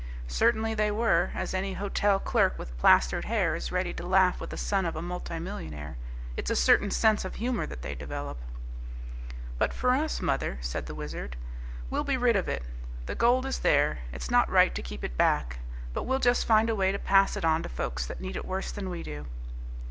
Certainly they were, as any hotel clerk with plastered hair is ready to laugh with the son of a multimillionaire. It's a certain sense of humour that they develop. "But for us, mother," said the Wizard, "we'll be rid of it. The gold is there. It's not right to keep it back. But we'll just find a way to pass it on to folks that need it worse than we do."